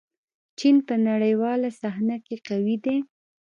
چین په نړیواله صحنه کې قوي دی.